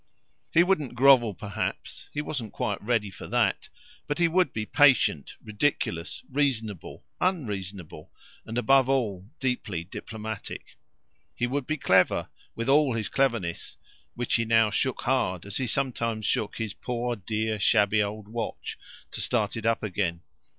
He wouldn't grovel perhaps he wasn't quite ready for that; but he would be patient, ridiculous, reasonable, unreasonable, and above all deeply diplomatic. He would be clever with all his cleverness which he now shook hard, as he sometimes shook his poor dear shabby old watch, to start it up again.